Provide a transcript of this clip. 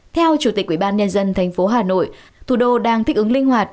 theo chủ tịch ubnd tp hà nội thủ đô đang thích ứng linh hoạt